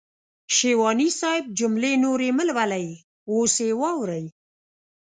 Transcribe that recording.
شېواني صاحب جملې نورې مهلولئ اوس يې واورئ.